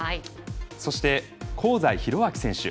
そして、香西宏昭選手。